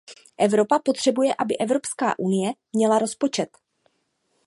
Evropa potřebuje, aby Evropská unie měla rozpočet.